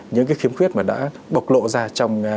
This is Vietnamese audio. những cái khiếm khuyết mà đã bộc lộ ra trong